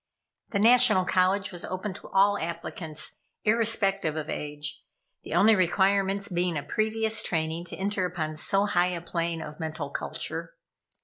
The National College was open to all applicants, irrespective of age, the only requirements being a previous training to enter upon so high a plane of mental culture.